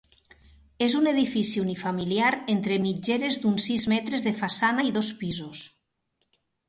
És un edifici unifamiliar entre mitgeres d'uns sis metres de façana i dos pisos.